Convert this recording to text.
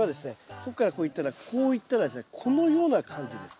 ここからこういったらこういったらですねこのような感じです。